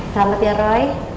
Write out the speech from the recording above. selamat ya roy